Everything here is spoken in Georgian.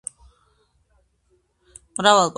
მრავალპროფილიანი სამონტაჟო, სამშ.